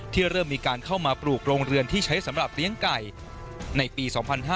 เริ่มมีการเข้ามาปลูกโรงเรือนที่ใช้สำหรับเลี้ยงไก่ในปี๒๕๕๙